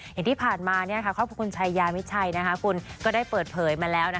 อย่างที่ผ่านมาครอบครัวคุณชายามิชัยคุณก็ได้เปิดเผยมาแล้ว